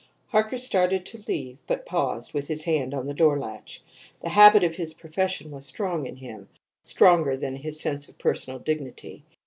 Harker started to leave, but paused, with his hand on the door latch. The habit of his profession was strong in him stronger than his sense of personal dignity.